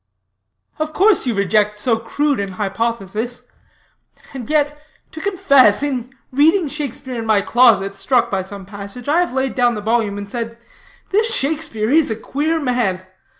"Of course you reject so crude an hypothesis; and yet, to confess, in reading Shakespeare in my closet, struck by some passage, I have laid down the volume, and said: 'This Shakespeare is a queer man.'